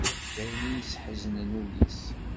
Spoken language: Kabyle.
D ayen i yesḥeznen ul-is.